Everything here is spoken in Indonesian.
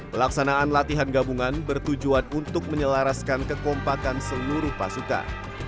pelaksanaan latihan gabungan bertujuan untuk menyelaraskan kekompakan seluruh pasukan